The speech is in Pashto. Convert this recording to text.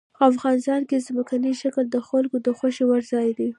افغانستان کې ځمکنی شکل د خلکو د خوښې وړ ځای دی.